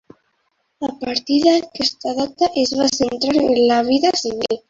A partir d'aquesta data es va centrar en la vida civil.